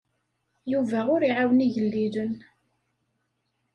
Yuba ur iɛawen igellilen.